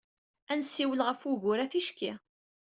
Ad nessiwel ɣef wugur-a ticki.